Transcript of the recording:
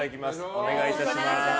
お願いいたします。